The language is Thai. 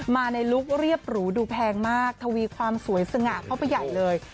มาในลุคเรียบหรูดูแพงมากทวีความสวยสง่าเข้าไปใหญ่เลย